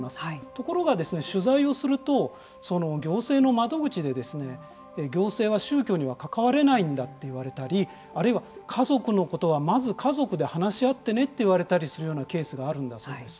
ところが、取材をすると行政の窓口で行政は宗教には関われないんだと言われたりあるいは家族のことはまず家族で話し合ってねって言われたりするようなケースがあるんだそうです。